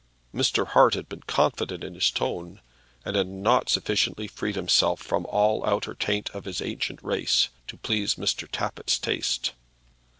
Mr. Hart had been confident in his tone, and had not sufficiently freed himself from all outer taint of his ancient race to please Mr. Tappitt's taste.